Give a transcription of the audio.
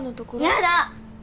やだ！